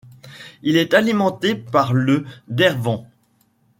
Il est alimenté par le Derwent.